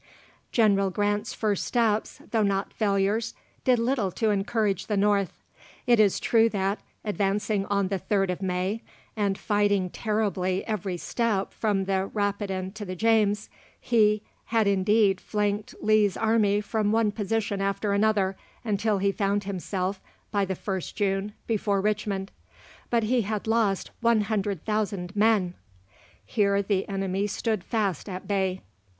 General Grant's first steps, though not failures, did little to encourage the North. It is true that, advancing on the 3rd of May, and fighting terribly every step from the Rapidan to the James, he "had indeed flanked Lee's army from one position after another, until he found himself, by the 1st June, before Richmond but he had lost 100,000 men! Here the enemy stood fast at bay."